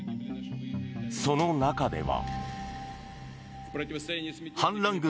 その中では。